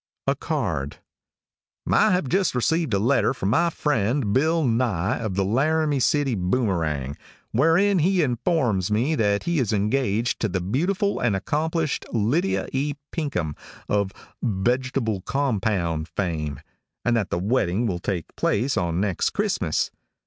A CARD. |I HAVE just received a letter from my friend, Bill Nye, of The Laramie City Boomerang, wherein he informs me that he is engaged to the beautiful and accomplished Lydia E. Pinkham, of "Vegetable Compounds" fame, and that the wedding will take place on next Christmas.